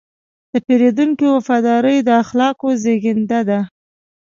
د پیرودونکي وفاداري د اخلاقو زېږنده ده.